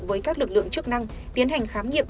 với các lực lượng chức năng tiến hành khám nghiệm